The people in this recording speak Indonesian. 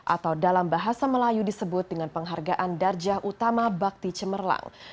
atau dalam bahasa melayu disebut dengan penghargaan darjah utama bakti cemerlang